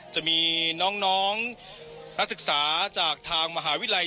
จะมีน้องนักศึกษาจากทางมหาวิทยาลัย